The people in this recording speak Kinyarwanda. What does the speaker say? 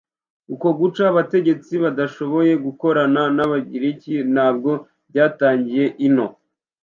Uko guca abategetsi badashoboye gukorana n'Abagiligi ntabwo byatangiye ino